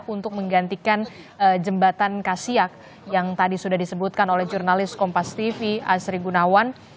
untuk menggantikan jembatan kasiak yang tadi sudah disebutkan oleh jurnalis kompas tv asri gunawan